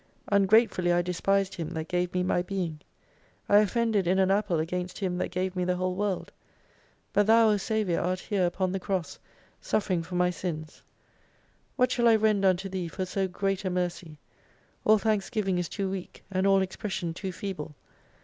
Ungratefully I despised Him that gave me my being. I offended in an apple against Him that gave me the whole world : But Thou O Saviour art here upon the Cross suffering for my Sins. What shall I render unto Thee for so great a Mercy ! All thanksgiving is too weak, and all expression too feeble.